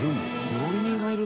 「料理人がいるの？」